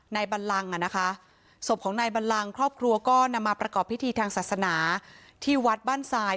บันลังอ่ะนะคะศพของนายบัลลังครอบครัวก็นำมาประกอบพิธีทางศาสนาที่วัดบ้านทราย